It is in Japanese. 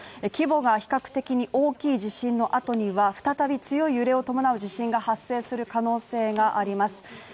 規模が比較的大きい地震の後には再び強い揺れを伴う地震が発生する可能性があります